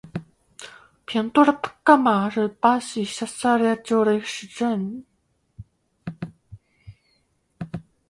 平多雷塔马是巴西塞阿拉州的一个市镇。